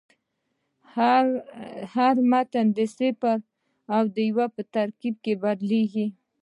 هر متن د صفر او یو په ترکیب بدلېږي.